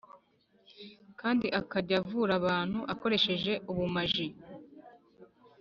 kandi akajya avura abantu akoresheje ubumaji